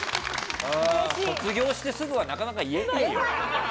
卒業してすぐはなかなか言えないですよ。